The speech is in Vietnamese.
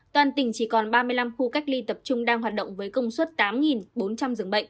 toàn tỉnh chỉ còn ba mươi năm khu cách ly tập trung đang hoạt động với công suất tám bốn trăm linh giường bệnh